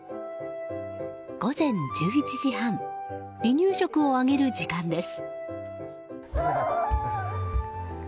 午前１１時半離乳食をあげる時間です。